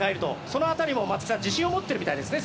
その辺りも松木さん自信を持っているみたいですね。